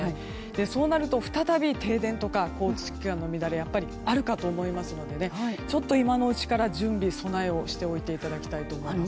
そうなると再び停電とか交通機関の乱れがあるかと思いますので今のうちから準備、備えをしておいていただきたいと思います。